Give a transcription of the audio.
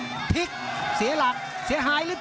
ภูตวรรณสิทธิ์บุญมีน้ำเงิน